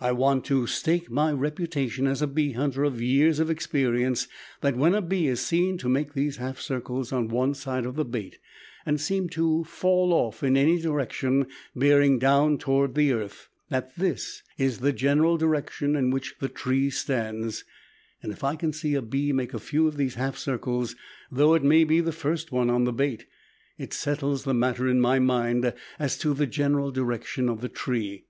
I want to stake my reputation as a bee hunter of years of experience, that when a bee is seen to make these half circles on one side of the bait and seem to fall off in any direction, bearing down toward the earth, that this is the general direction in which the tree stands, and if I can see a bee make a few of these half circles (though it may be the first one on the bait), it settles the matter in my mind as to the general direction of the tree.